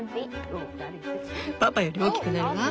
パパより大きくなるわ。